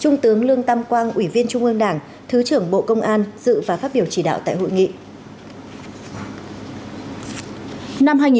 thứ trưởng lương tâm quang ủy viên trung ương đảng thứ trưởng bộ công an dự và phát biểu chỉ đạo tại hội nghị